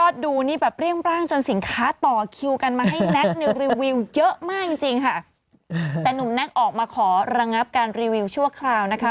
แต่หนุ่มแน็กออกมาขอระงับการรีวิวชั่วคราวนะคะ